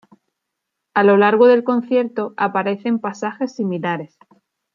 A lo largo del concierto aparecen pasajes similares.